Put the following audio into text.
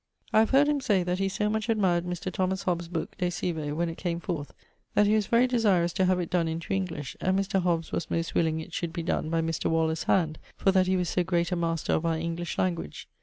I have heard him say that he so much admired Mr. Thomas Hobbes' booke De Cive, when it came forth, that he was very desirous to have it donne into English, and Mr. Hobbes was most willing it should be done by Mr. Waller's hand, for that he was so great a master of our English language.